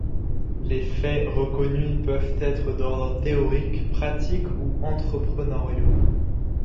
Les faits reconnus peuvent être d'ordre théorique, pratique ou entrepreneuriaux.